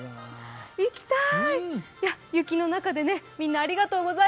行きたい！